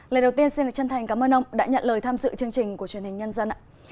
lời đầu tiên xin được chân thành cảm ơn ông đã nhận lời tham dự chương trình của truyền hình nhân dân ạ